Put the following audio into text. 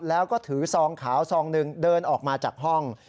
แล้วก็ถือซองขาวซองหนึ่งเดินออกมาจากห้อง